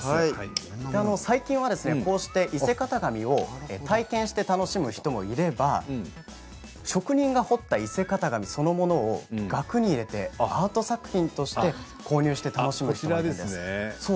最近は伊勢型紙を体験して楽しむ人もいれば職人が彫った伊勢型紙そのものを額に入れてアート作品として購入して楽しむ方もいます。